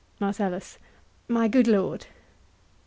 MARCELLUS. My good lord.